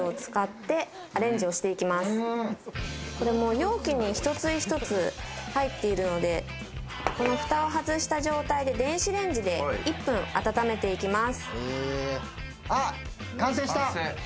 容器に一つ一つ入っているので、蓋を外した状態で電子レンジで１分温めていきます。